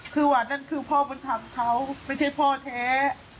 คือวันนั้นคือพ่อบุญธรรมเขาไม่ใช่พ่อแท้